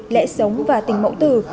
lễ sống và tình mẫu tử